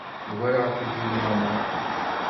Ugareɣ-kent deg leɛmeṛ.